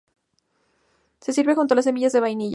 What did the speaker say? Se sirve junto a semillas de vainilla.